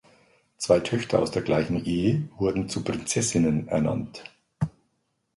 Zwei Töchter aus der gleichen Ehe wurden zu Prinzessinnen ernannt.